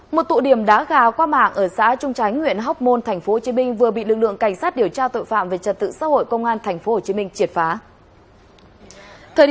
một tụ điểm đá gà qua mạng ở xã trung chánh huyện hóc môn tp hcm vừa bị lực lượng cảnh sát điều tra tội phạm về trật tự xã hội công an tp hcm triệt phá